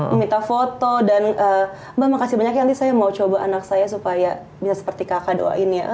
meminta foto dan mbak makasih banyak ya nanti saya mau coba anak saya supaya bisa seperti kakak doain ya